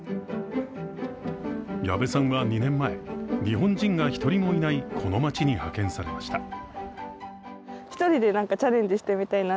矢部さんは２年前、日本人が１人もいないこの街に派遣されました。